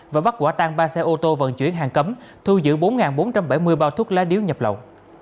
và bắt quả tang ba xe ô tô vận chuyển hàng cấm thu giữ bốn bốn trăm bảy mươi bao thuốc lá điếu nhập lậu